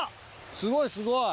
すごいすごい。